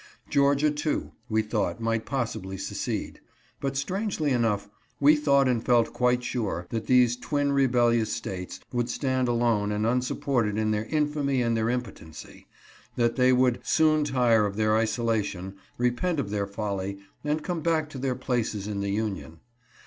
Georgia, too, we thought might possibly secede. But, strangely enough, we thought and felt quite sure that these twin rebellious States would stand alone and unsupported in their infamy and their impotency, that they would soon tire of their isolation, repent of their folly, and come back to their places in the Union.